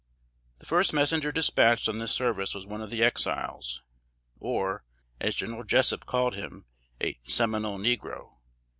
The first messenger dispatched on this service was one of the Exiles, or, as General Jessup called him, a "Seminole negro."